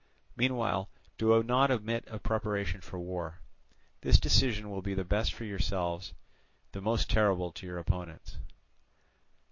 Meanwhile do not omit preparation for war. This decision will be the best for yourselves, the most terrible to your opponents."